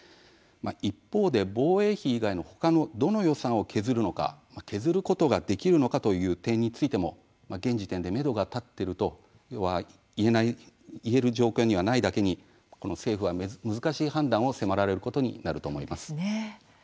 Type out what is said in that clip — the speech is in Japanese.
一方で、防衛費以外の他のどの予算を削るのか削ることができるのかという点についても現時点でめどが立っているとは言える状況にはないだけに政府は難しい判断を迫られることになると思います。